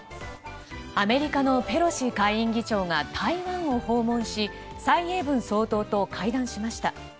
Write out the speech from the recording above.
アメリカのペロシ下院議長が台湾を訪問し蔡英文総統と会談しました。